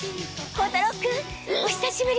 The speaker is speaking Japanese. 孝太郎君お久しぶり。